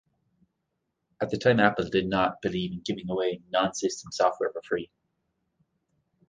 At the time Apple did not believe in giving away non-system software for free.